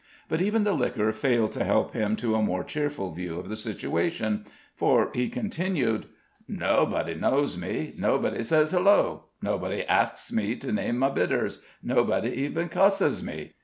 But even the liquor failed to help him to a more cheerful view of the situation, for he continued: "Nobody knows me nobody sez, 'Hello!' nobody axes me to name my bitters nobody even cusses me.